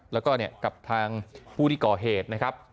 แล้วก็เนี่ยกลับทางผู้ดิก่อเหตุนะครับ